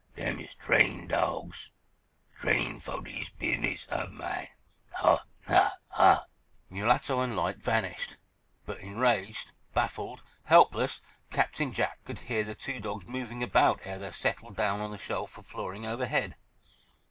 Dem is trained dawgs—train' fo' dis business ob mine. Ho, ho, ho!" Mulatto and light vanished, but enraged, baffled, helpless Captain Jack could hear the two dogs moving about ere they settled down on the shelf of flooring overhead.